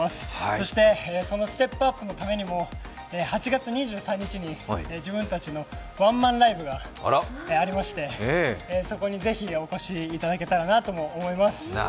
そしてそのステップアップのためにも８月２３日に自分たちのワンマンライブがありまして、そこに是非お越しいただけたらなと思います。